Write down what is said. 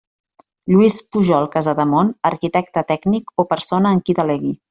Lluís Pujol Casademont, Arquitecte Tècnic o persona en qui delegui.